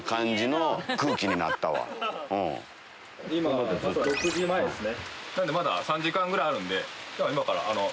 まだ６時前ですね。